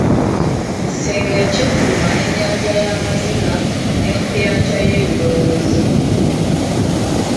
Ekisenge yakifuluma n’ennyanja y’amaziga, n’enkuyanja y’ebirowoozo.